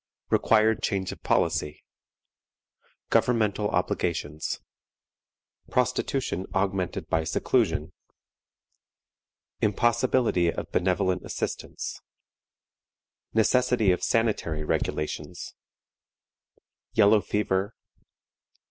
Required Change of Policy. Governmental Obligations. Prostitution augmented by Seclusion. Impossibility of benevolent Assistance. Necessity of sanitary Regulations. Yellow Fever.